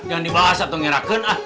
jangan dibahas atau ngerakan